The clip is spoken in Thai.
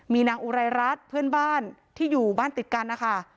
มีนางอุไรรัฐเพื่อนบ้านที่อยู่บ้านติดกันนะคะ